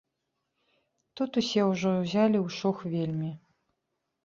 Тут усе ўжо ўзялі ў шух вельмі.